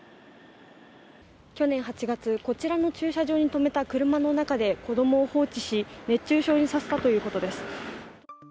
去年８月、こちらの駐車場に止めた車の中で子供を放置し、熱中症にさせたということです。